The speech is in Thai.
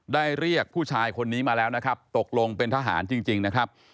เรียกผู้ชายคนนี้มาแล้วนะครับตกลงเป็นทหารจริงนะครับ